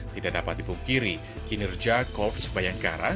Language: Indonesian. tidak dapat dipungkiri kinerja korps bayangkara